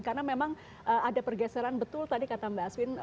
karena memang ada pergeseran betul tadi kata mbak aswin